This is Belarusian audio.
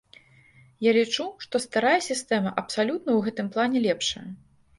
Я лічу, што старая сістэма абсалютна ў гэтым плане лепшая.